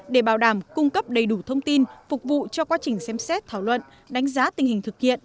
để bảo đảm cung cấp đầy đủ thông tin phục vụ cho quá trình xem xét thảo luận đánh giá tình hình thực hiện